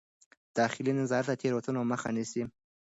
داخلي نظارت د تېروتنو مخه نیسي.